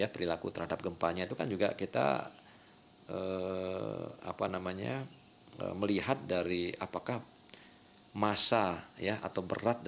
perilaku terhadap gempanya itu kan juga kita melihat dari apakah masa ya atau beratnya